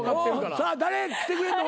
さあ誰来てくれんの？